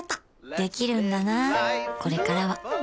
できるんだなこれからはん！